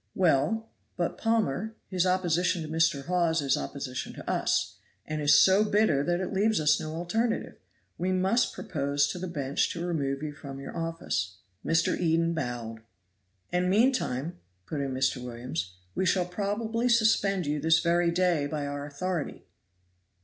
"Well, but, Palmer, his opposition to Mr. Hawes is opposition to us, and is so bitter that it leaves us no alternative. We must propose to the bench to remove you from your office." Mr. Eden bowed. "And meantime," put in Mr. Williams, "we shall probably suspend you this very day by our authority."